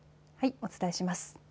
お伝えします。